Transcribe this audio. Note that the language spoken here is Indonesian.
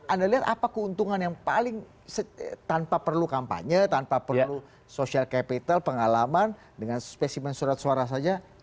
anda lihat apa keuntungan yang paling tanpa perlu kampanye tanpa perlu social capital pengalaman dengan spesimen surat suara saja